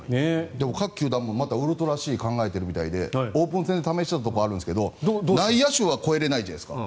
でも、各球団もまたウルトラＣを考えてるみたいでオープン戦で試したところがあるんですけど内野手は越えれないじゃないですか。